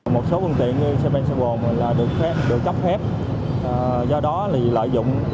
một số phương tiện như xe bèn xe bồn là được chấp phép do đó thì lợi dụng